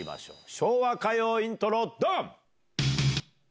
昭和歌謡イントロドン。